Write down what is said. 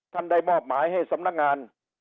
ได้มอบหมายให้สำนักงาน